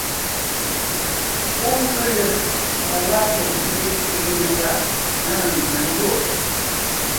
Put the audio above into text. Pó cú lə́ ŋo wá kə níʼ mbépénə̄ ngâʼ ə̂ŋ mə njwôʼ.